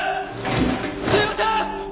すいません！